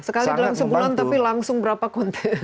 sekali dalam sebulan tapi langsung berapa konten